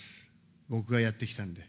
僕がやってきたので。